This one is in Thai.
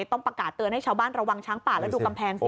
ต้องประกาศเตือนให้ชาวบ้านระวังช้างป่าและดูกำแพงฝน